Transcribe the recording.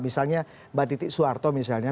misalnya mbak titi soeharto misalnya